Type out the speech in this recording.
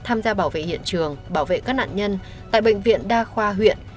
tham gia bảo vệ hiện trường bảo vệ các nạn nhân tại bệnh viện đa khoa huyện